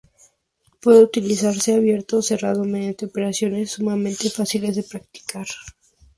Puede utilizarse abierto o cerrado, mediante operaciones sumamente fáciles de practicar.